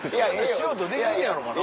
素人できるんやろうかな？